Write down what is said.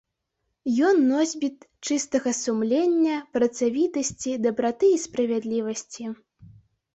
Ён носьбіт чыстага сумлення, працавітасці, дабраты і справядлівасці.